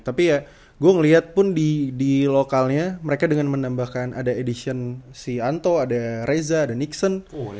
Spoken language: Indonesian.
tapi ya gue ngeliat pun di lokalnya mereka dengan menambahkan ada edition si anto ada reza ada nixon